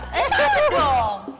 eh salah dong